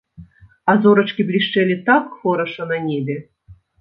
А зорачкі блішчэлі так хораша на небе.